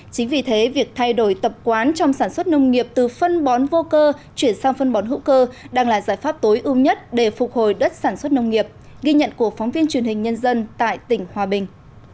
chính vì thế việc thay đổi tập quán trong sản xuất nông nghiệp từ phân bón vô cơ chuyển sang phân bón hữu cơ đang là giải pháp tối ưu nhất để phục hồi đất sản xuất nông nghiệp ghi nhận của phóng viên truyền hình nhân dân tại tỉnh hòa bình